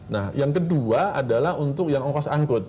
nah yang kedua adalah untuk yang ongkos angkut